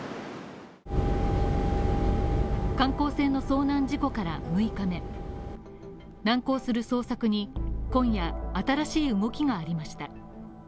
観光船の遭難事故から６日目、難航する捜索に今夜新しい動きがありました。